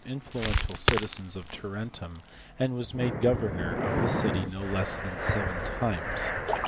influential citizens of Tarentum, and was made governor of the city no less than seven times.